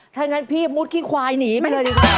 ถ้างั้นพี่มุดขี้ควายหนีไปเลยดีกว่า